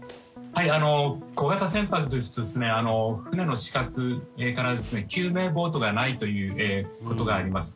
小型船舶というと船に救命ボートがないということがあります。